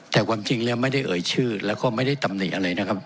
แต่ความจริงแล้วไม่ได้เอ่ยชื่อแล้วก็ไม่ได้ตำหนิอะไรนะครับ